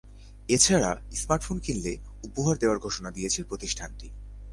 এ ছাড়া স্মার্টফোন কিনলে উপহার দেওয়ার ঘোষণা দিয়েছে প্রতিষ্ঠানটি।